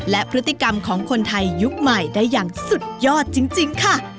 และพฤติกรรมของคนไทยยุคใหม่ได้อย่างสุดยอดจริงค่ะ